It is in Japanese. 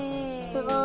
すごい。